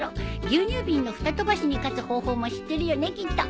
牛乳瓶のふた飛ばしに勝つ方法も知ってるよねきっと。